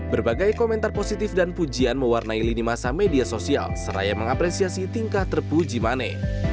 berbagai komentar positif dan pujian mewarnai lini masa media sosial seraya mengapresiasi tingkah terpuji mane